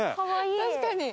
確かに。